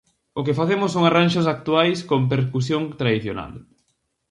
O que facemos son arranxos actuais con percusión tradicional.